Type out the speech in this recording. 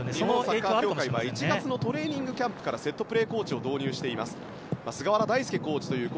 日本代表は１月のトレーニングキャンプからセットプレーコーチを導入しています。